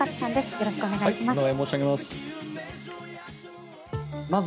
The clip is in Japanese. よろしくお願いします。